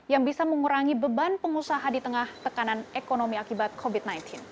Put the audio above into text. yang bisa mengurangi beban pengusaha di tengah tekanan ekonomi akibat covid sembilan belas